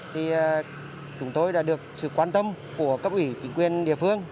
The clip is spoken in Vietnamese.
thì chúng tôi đã được sự quan tâm của cấp ủy chính quyền địa phương